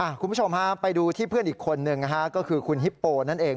คุณผู้ชมฮะไปดูที่เพื่อนอีกคนนึงนะฮะก็คือคุณฮิปโปนั่นเอง